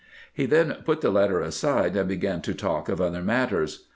He then put the letter aside, and began to talk of other matters.